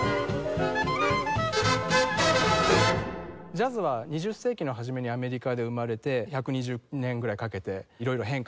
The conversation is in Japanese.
ジャズは２０世紀の初めにアメリカで生まれて１２０年ぐらいかけて色々変化していくんですけども。